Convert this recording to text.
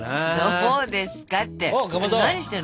どうですかって何してるの？